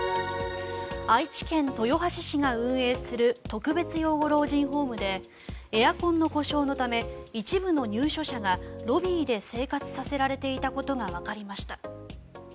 愛知県豊橋市が運営する特別養護老人ホームでエアコンの故障のため一部の入所者がロビーで生活させられていたことがわかりました。